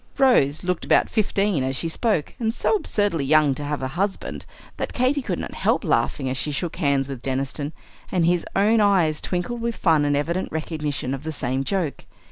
Rose looked about fifteen as she spoke, and so absurdly young to have a "husband," that Katy could not help laughing as she shook hands with "Deniston;" and his own eyes twinkled with fun and evident recognition of the same joke.